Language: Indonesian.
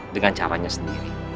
dengan caranya sendiri